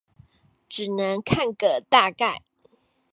只能看個大概